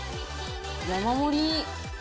山盛り。